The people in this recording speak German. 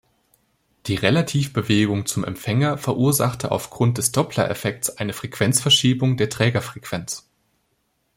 Die Relativbewegung zum Empfänger verursachte aufgrund des Dopplereffekts eine Frequenzverschiebung der Trägerfrequenz.